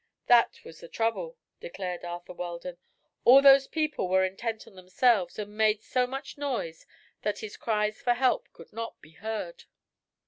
"That was the trouble," declared Arthur Weldon. "All those people were intent on themselves and made so much noise that his cries for help could not be heard."